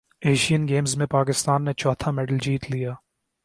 Asian games میں پاکستان نے چوتھا میڈل جیت لیا